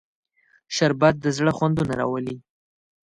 شربت د زړه خوندونه راولي